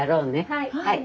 はい。